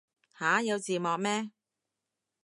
吓有字幕咩